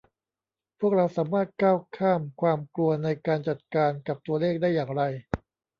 พวกเราสามารถก้าวข้ามความกลัวในการจัดการกับตัวเลขได้อย่างไร